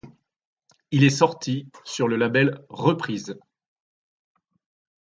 Il est sorti le sur le label Reprise.